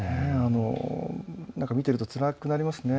見ているとつらくなりますね。